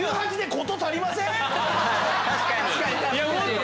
確かに！